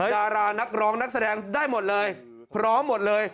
ดารานักร้องนักแสดงได้หมดเลยพร้อมหมดเลย